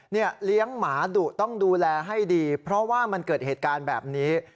เลี้ยงหมาดุต้องดูแลให้ดีเพราะว่ามันเกิดเหตุการณ์แบบนี้